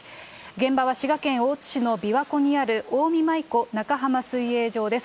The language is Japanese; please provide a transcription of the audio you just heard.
現場は滋賀県大津市の琵琶湖にある、近江舞子中浜水泳場です。